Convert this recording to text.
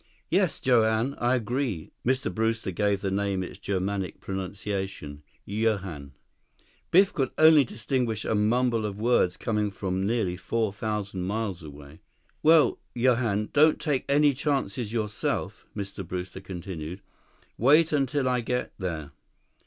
"Yes, Johann, I agree." Mr. Brewster gave the name its Germanic pronunciation, "Yohann." Biff could only distinguish a mumble of words coming from nearly four thousand miles away. "Well, Johann, don't you take any chances yourself," Mr. Brewster continued. "Wait until I get there....